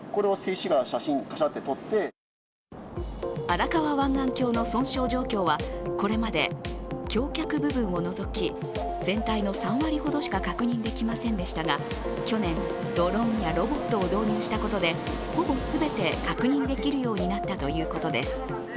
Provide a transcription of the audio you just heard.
荒川湾岸橋の損傷状況はこれまで橋脚部分を除き全体の３割ほどしか確認できませんでしたが去年、ドローンやロボットを導入しことで、ほぼ全て確認できるようになったということです。